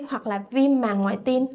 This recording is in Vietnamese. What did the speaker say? hoặc là viêm màng ngoài tim